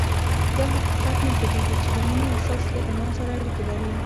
دا حقیقت نه پټېږي چې د مینې احساس له ایمان سره اړیکې لري